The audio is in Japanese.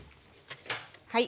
はい。